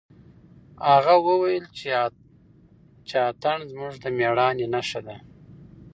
هغه وویل چې اتڼ زموږ د مېړانې نښه ده.